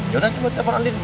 yaudah coba telfon andien